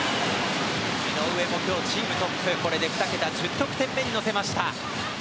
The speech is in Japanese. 井上も今日チームトップ、これで２桁１０得点目に乗せました。